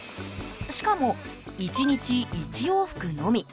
しかも１日１往復のみ。